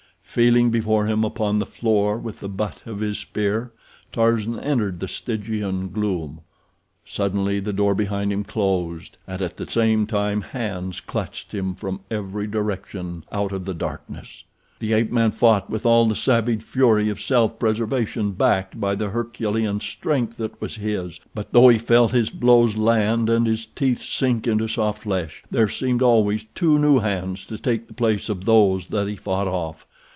Feeling before him upon the floor with the butt of his spear, Tarzan entered the Stygian gloom. Suddenly the door behind him closed, and at the same time hands clutched him from every direction out of the darkness. The ape man fought with all the savage fury of self preservation backed by the herculean strength that was his. But though he felt his blows land, and his teeth sink into soft flesh, there seemed always two new hands to take the place of those that he fought off.